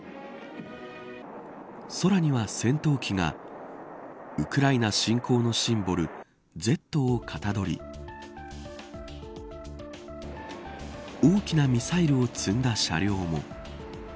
空には戦闘機がウクライナ侵攻のシンボルＺをかたどり大きなミサイルを積んだ車両も。